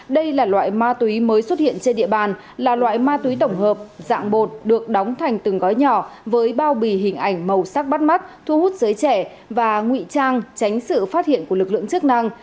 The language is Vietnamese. đây là loại ma túy mới xuất hiện trên địa bàn là loại ma túy tổng hợp dạng bột được đóng thành từng gói nhỏ với bao bì hình ảnh màu sắc bắt mắt thu hút giới trẻ và nguy trang tránh sự phát hiện của lực lượng chức năng